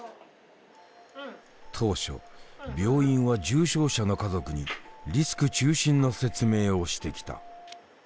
当初病院は重症者の家族にリスク中心の説明をしてきた。